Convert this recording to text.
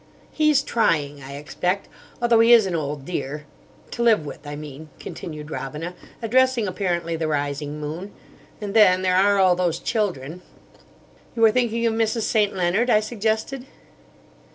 "He's trying, I expect; although he is an old dear: to live with, I mean," continued Robina, addressing apparently the rising moon. "And then there are all those children." "You are thinking of Mrs. St. Leonard," I suggested.